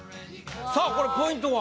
さあこれポイントは？